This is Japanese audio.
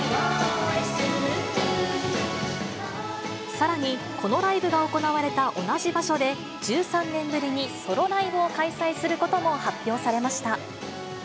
さらに、このライブが行われた同じ場所で、１３年ぶりにソロライブを開催することも発表されました。